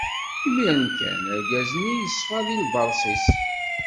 Imiren kan, argaz-nni yeṣfa si lberṣ-is.